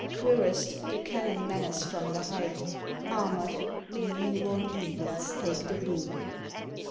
Cuirassed, the cannon menace from the height; Armored, the new born eagles take the blue.